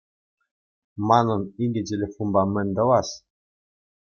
Манӑн икӗ телефонпа мӗн тӑвас?